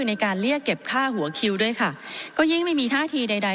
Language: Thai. ในการเรียกเก็บค่าหัวคิวด้วยค่ะก็ยิ่งไม่มีท่าทีใดใด